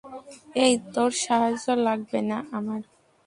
এই, তোর সাহায্য লাগবে না আমার।